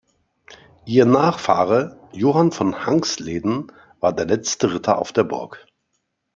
Ihr Nachfahre "Johann von Hanxleden" war der letzte Ritter auf der Burg.